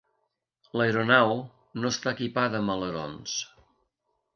L'aeronau no està equipada amb alerons.